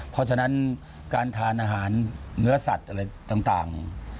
เพราะฉะนั้นการทานอาหารเนื้อสัตว์อะไรต่าง